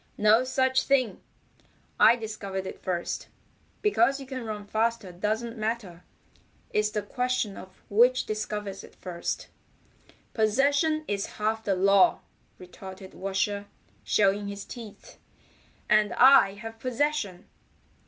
"No such thing. I discovered it first. Because you can run faster doesn't matter. It's the question of which discovers it first." "Possession is half the law," retorted Washer, showing his teeth. "And I have possession."